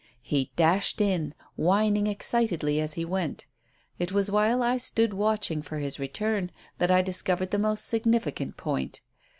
He dashed in, whining excitedly as he went. It was while I stood watching for his return that I discovered the most significant point.